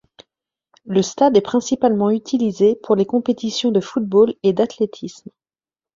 Le stade est principalement utilisé pour les compétitions de football et d'athlétisme.